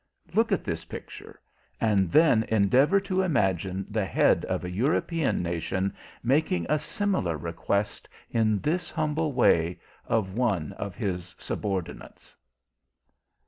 Look at this picture, and then endeavour to imagine the head of a European nation making a similar request, in this humble way, of one of his subordinates!